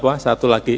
apa satu lagi